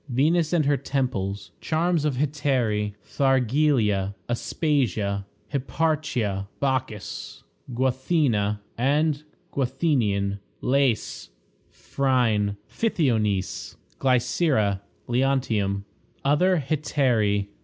Venus and her Temples. Charms of Hetairæ. Thargelia. Aspasia. Hipparchia. Bacchis. Guathena and Guathenion. Lais. Phryne. Pythionice. Glycera. Leontium. Other Hetairæ.